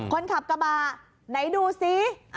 คนขับกระบะไหนดูสิ